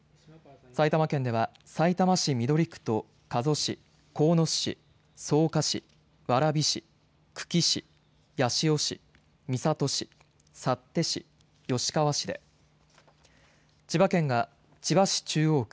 埼玉県ではさいたま市緑区と加須市、鴻巣市、草加市、蕨市、久喜市、八潮市、三郷市、幸手市、吉川市で、千葉県が千葉市中央区、